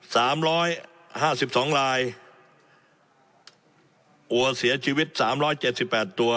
สามร้อยห้าสิบสองรายวัวเสียชีวิตสามร้อยเจ็ดสิบแปดตัว